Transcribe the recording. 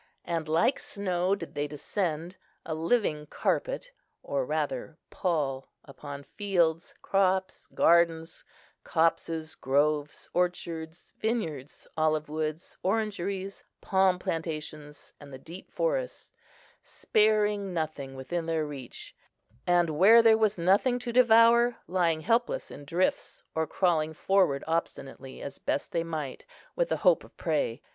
And like snow did they descend, a living carpet, or rather pall, upon fields, crops, gardens, copses, groves, orchards, vineyards, olive woods, orangeries, palm plantations, and the deep forests, sparing nothing within their reach, and where there was nothing to devour, lying helpless in drifts, or crawling forward obstinately, as they best might, with the hope of prey.